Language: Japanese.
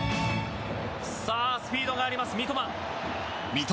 さあスピードがあります三笘。